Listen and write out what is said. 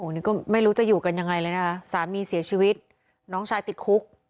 นี่ก็ไม่รู้จะอยู่กันยังไงเลยนะคะสามีเสียชีวิตน้องชายติดคุก